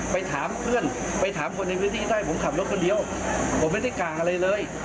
ไปถามเพื่อนไปถามคนในพื้นที่ได้ผมขับรถคนเดียวผมไม่ได้กล่างอะไรเลย